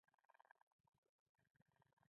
د مداریانو په باره کې یې ویل.